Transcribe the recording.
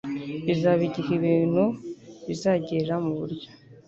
bibaza igihe ibintu bizagira mu buryo